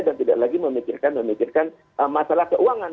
dan tidak lagi memikirkan mikirkan masalah keuangan